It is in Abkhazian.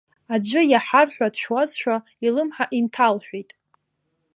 Аӡәы иаҳар ҳәа дшәауазшәа илымҳа инҭалҳәеит.